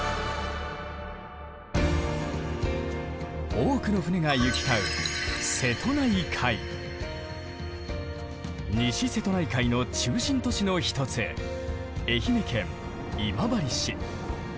多くの船が行き交う西瀬戸内海の中心都市の一つ愛媛県今治市。